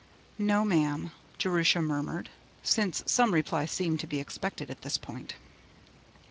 'No, ma'am,' Jerusha murmured, since some reply seemed to be expected at this point.